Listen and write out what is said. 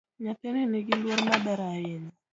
Nyathini nigiluor maber ahinya